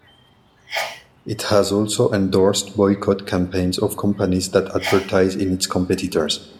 It has also endorsed boycott campaigns of companies that advertise in its competitors.